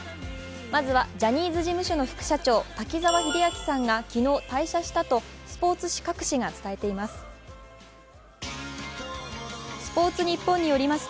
まずはジャニーズ事務所の副社長、滝沢秀明さんが昨日、退社したとスポーツ紙各紙が伝えています。